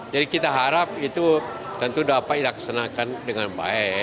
jadi kita harap itu tentu dapat dilaksanakan dengan baik